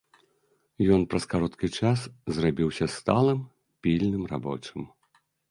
Ён праз кароткі час зрабіўся сталым, пільным рабочым.